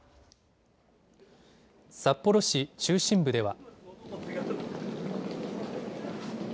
札幌市中心部では。